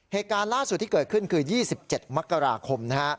เหตุการณ์ล่าสุดที่เกิดขึ้นคือ๒๗มกราคม